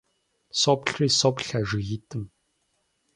Соплъри соплъ а жыгитӀым.